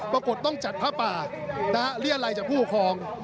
ปรากฏต้องจัดภาป่าเลี่ยนไรจากผู้หุคคลอง